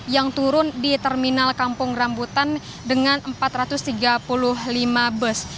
yang turun di terminal kampung rambutan dengan empat ratus tiga puluh lima bus